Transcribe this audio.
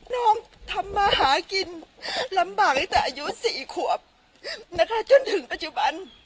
น้องทำมาหากินลำบากตั้งแต่อายุ๔ขวบนะคะจนถึงปัจจุบัน